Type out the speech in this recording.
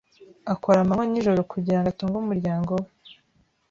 Akora amanywa n'ijoro kugira ngo atunge umuryango we.